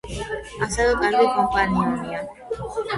ასევე კარგი კომპანიონია.